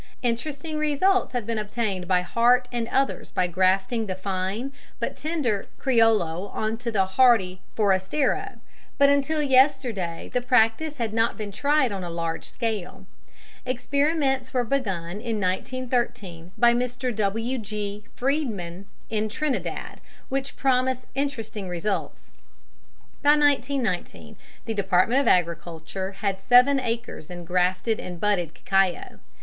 Interesting results have been obtained by Hart and others by grafting the fine but tender criollo on to the hardy forastero, but until yesterday the practice had not been tried on a large scale. Experiments were begun in 1913 by Mr. W.G. Freeman in Trinidad which promise interesting results. By 1919 the Department of Agriculture had seven acres in grafted and budded cacao.